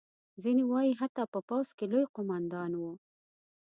ځینې وایي حتی په پوځ کې لوی قوماندان وو.